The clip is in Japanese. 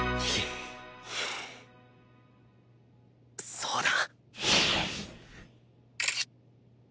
そうだ